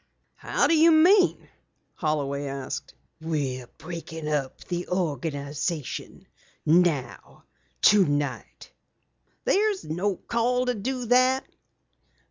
"How do you mean?" Holloway asked. "We're breaking up the organization now tonight." "There's no call to do that."